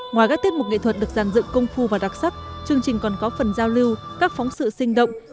ngoài các tiết mục nghệ thuật được giàn dựng công phu và đặc sắc chương trình còn có phần giao lưu các phóng sự sinh động